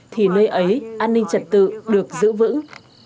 thì nơi ấy an ninh trật tự được giữ vững